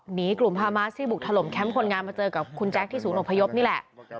หนีกลุ่มฮามาสที่บุกถล่มแคมป์คนงานมาเจอกับคุณแจ๊คที่ศูนย์อพยพนี่แหละ